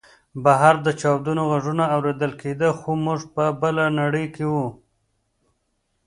بهر د چاودنو غږونه اورېدل کېدل خو موږ په بله نړۍ کې وو